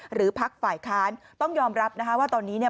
หรือภักดิ์ฝ่ายค้านต้องยอมรับว่าตอนนี้